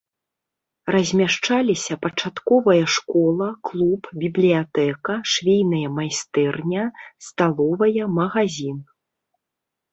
Размяшчаліся пачатковая школа, клуб, бібліятэка, швейная майстэрня, сталовая, магазін.